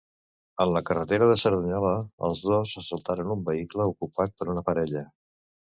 En la carretera de Cerdanyola, els dos assaltaren un vehicle ocupat per una parella.